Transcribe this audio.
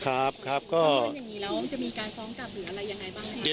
ก็มีคณะเป็นอย่างงี้แล้วยังพอเพราะจะมีการคล้องกับหรืออะไรยังไงบ้าง